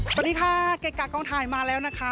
สวัสดีค่ะเกะกะกองถ่ายมาแล้วนะคะ